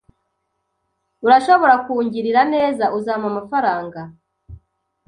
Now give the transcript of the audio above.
Urashobora kungirira neza? Uzampa amafaranga?